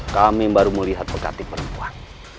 kami baru melihat pekati perempuan